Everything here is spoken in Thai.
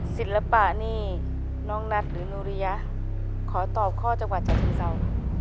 ศิลปะนี่น้องนัทหรือโนริยะขอตอบข้อจังหวัดชะเชิงเศร้า